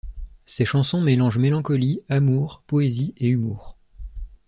Ses chansons mélangent mélancolie, amour, poésie et humour.